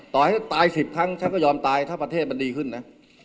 ต่อให้ตาย๑๐ครั้งฉันก็ยอมตายถ้าประเทศมันดีขึ้นนะ